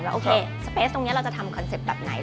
โอเคสเปสตรงนี้เราจะทำคอนเซ็ปต์แบบไหน